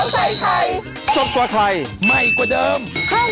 ไม่ทันจริงนะคะไม่มา